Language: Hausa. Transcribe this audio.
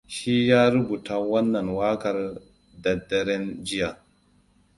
Shi ya rubuta wannan waƙar daddaren jiya.